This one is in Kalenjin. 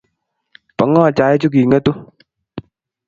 bo ng'o chaichu king'etu?